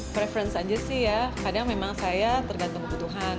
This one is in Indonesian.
preferensi saja sih ya kadang memang saya tergantung kebutuhan